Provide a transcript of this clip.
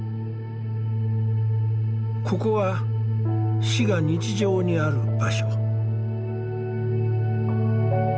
ここは死が日常にある場所。